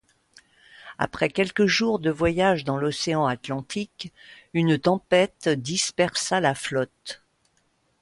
Après quelques jours de voyage dans l'Océan atlantique, une tempête dispersa la flotte.